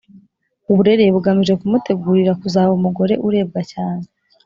uburere bugamije kumutegurira kuzaba umugore urebwa cyane